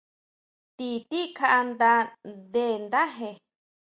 Ti tijikjaʼá nda nde ndáje.